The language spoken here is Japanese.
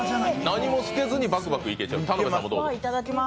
何もつけずにバクバクいけちゃう？